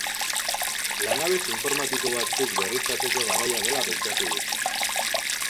Lanabes informatiko batzuk berriztatzeko garaia dela pentsatu dut.